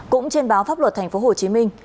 cũng trên báo pháp luật tp hcm